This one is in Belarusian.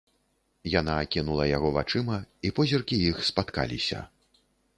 Яна акінула яго вачыма, і позіркі іх спаткаліся.